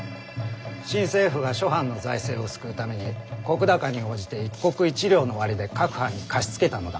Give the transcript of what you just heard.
新政府が諸藩の財政を救うために石高に応じて１石１両の割で各藩に貸し付けたのだ。